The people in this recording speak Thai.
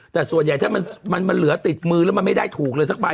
แต่ส่วนใหญ่ถ้ามันเหลือติดมือแล้วมันไม่ได้ถูกเลยสักใบ